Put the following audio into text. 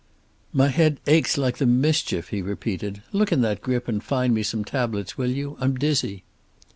"My head aches like the mischief," he repeated. "Look in that grip and find me some tablets, will you? I'm dizzy."